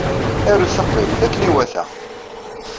Arut taqbaylit akken iwata!